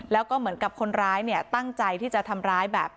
แล้วก็เหมือนกับคนร้ายเนี่ยตั้งใจที่จะทำร้ายแบบ